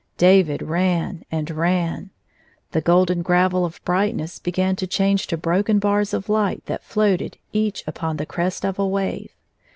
David ran and ran. The golden gravel of brightness began to change to broken bars of light that floated each upon the crest of a wave.